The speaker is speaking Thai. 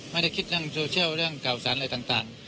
ไม่ได้คิดเรื่องโซเชียลเรื่องเก่าสารอะไรต่าง